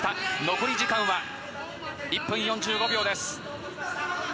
残り時間は１分４５秒です。